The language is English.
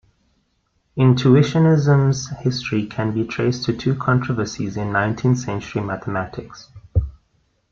Intuitionism's history can be traced to two controversies in nineteenth century mathematics.